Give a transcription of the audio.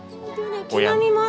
毛並みもあって。